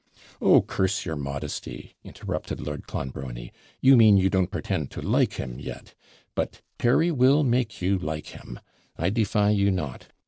'Oh, curse your modesty!' interrupted Lord Clonbrony; 'you mean, you don't pretend to like him yet; but Terry will make you like him. I defy you not.